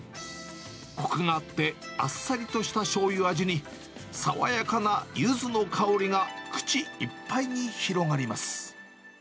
こくがあってあっさりとしたしょうゆ味に、爽やかなゆずの香りが口いっぱいに広がります。